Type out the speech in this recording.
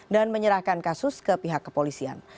dan menyerahkan kasus ke pihak kepolisian